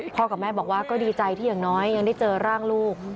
กับแม่บอกว่าก็ดีใจที่อย่างน้อยยังได้เจอร่างลูก